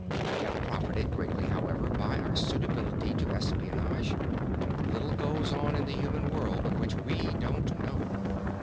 We have profited greatly, however, by our suitability to espionage; little goes on in the human world of which we don't know.